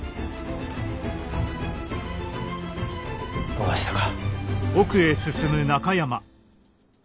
逃したか。